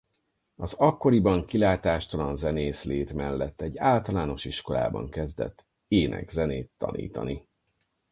Az akkoriban kilátástalan zenész lét mellett egy általános iskolában kezdett ének-zenét tanítani.